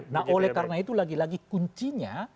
nah oleh karena itu lagi lagi kuncinya